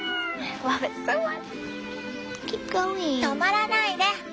止まらないで。